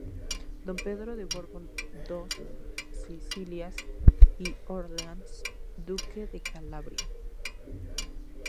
Don Pedro de Borbón-Dos Sicilias y Orleans, Duque de Calabria.